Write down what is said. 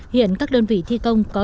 hiện các đơn vị thi công có